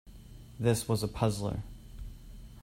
This was a puzzler.